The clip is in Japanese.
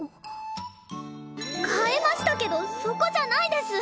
変えましたけどそこじゃないです！